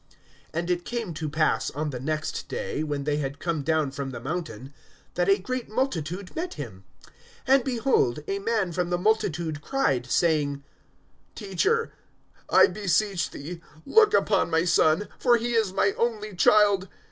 (37)And it came to pass, on the next day, when they had come down from the mountain, that a great multitude met him. (38)And, behold, a man from the multitude cried, saying: Teacher, I beseech thee, look upon my son; for he is my only child.